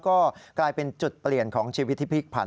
ก็กลายเป็นจุดเปลี่ยนของชีวิตที่พลิกผัน